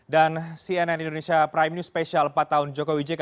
dan cnn indonesia prime news special empat tahun jokowi jk